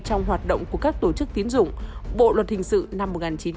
trong hoạt động của các tổ chức tiến dụng bộ luật hình sự năm một nghìn chín trăm bảy mươi năm